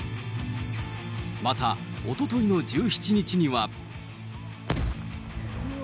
またおとといの１７日には。